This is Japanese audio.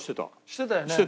してたよね？